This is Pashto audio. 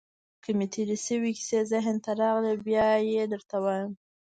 که مې تېرې شوې کیسې ذهن ته راغلې، بیا يې درته وایم.